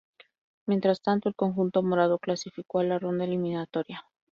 Mientras tanto, el conjunto morado clasificó a la ronda eliminatoria.